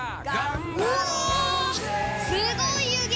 すごい湯気！